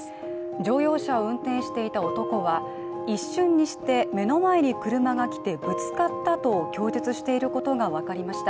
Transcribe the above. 乗用車を運転していた男は一瞬にして目の前に車が来てぶつかったと供述していることが分かりました。